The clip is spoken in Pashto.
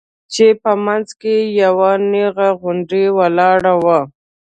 چې په منځ کښې يې يوه نيغه غونډۍ ولاړه وه.